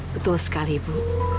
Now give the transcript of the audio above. betul sekali bu